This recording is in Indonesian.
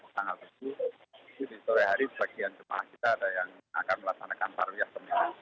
jadi sore hari bagian rumah kita ada yang akan melaksanakan